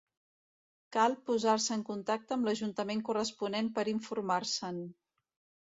Cal posar-se en contacte amb l'ajuntament corresponent per informar-se'n.